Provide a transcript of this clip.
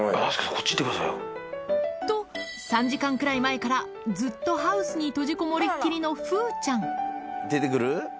こっち行ってくださいよ。と３時間くらい前からずっとハウスに閉じこもりっきりの風ちゃん出てくる？